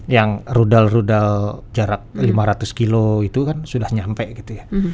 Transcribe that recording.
yang rudal rudal jarak lima ratus kilo itu kan sudah nyampe gitu ya